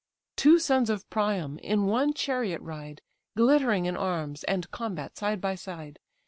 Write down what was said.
Two sons of Priam in one chariot ride, Glittering in arms, and combat side by side.